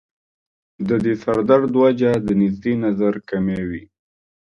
د دې سر درد وجه د نزدې نظر کمی وي